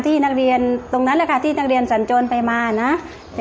นักเรียนตรงนั้นแหละค่ะที่นักเรียนสัญจรไปมานะ